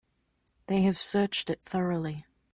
They have searched it thoroughly.